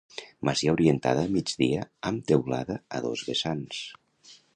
Masia orientada a migdia amb teulada a dos vessants.